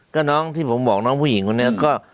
ก็น้องที่ผมบอกน้องผู้หญิงคนนี้ก็